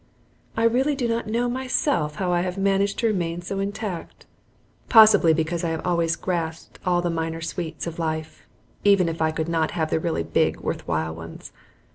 I really do not know myself how I have managed to remain so intact; possibly because I have always grasped all the minor sweets of life, even if I could not have the really big worth while ones.